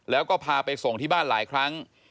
แล้วก็พาไปส่งที่บ้านหลายครั้ง